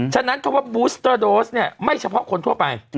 ฉะนั้นคำว่าบูสเตอร์โดสเนี่ยไม่เฉพาะคนทั่วไป